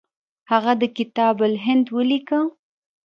هغه د کتاب الهند ولیکه.